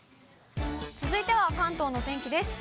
続いては関東のお天気です。